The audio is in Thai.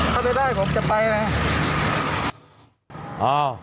ถ้าไม่ได้ผมจะไปนะ